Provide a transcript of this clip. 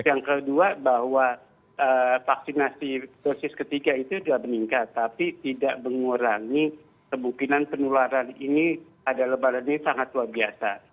yang kedua bahwa vaksinasi dosis ketiga itu sudah meningkat tapi tidak mengurangi kemungkinan penularan ini pada lebaran ini sangat luar biasa